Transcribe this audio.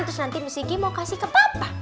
terus nanti miss kiki mau kasih ke papa